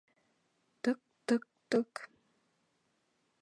Тыҡ-тыҡ-тыҡ...